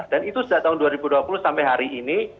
dan itu sejak tahun dua ribu dua puluh sampai hari ini